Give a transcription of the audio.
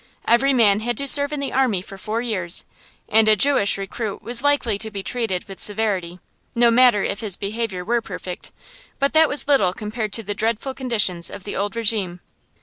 Every man had to serve in the army for four years, and a Jewish recruit was likely to be treated with severity, no matter if his behavior were perfect; but that was little compared to the dreadful conditions of the old régime.